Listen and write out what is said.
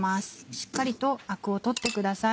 しっかりとアクを取ってください。